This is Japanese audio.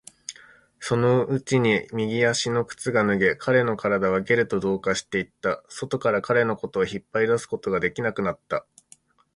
そのうちに右足の靴が脱げ、彼の体はゲルと同化していった。外から彼のことを引っ張り出すことができなくなった。